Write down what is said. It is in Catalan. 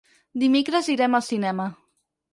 Dimecres irem al cinema.